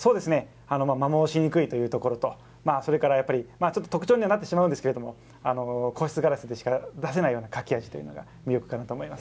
摩耗しにくいというところと特徴にはなるんですけれど硬質ガラスでしか出せない書き味というのが魅力かなと思います。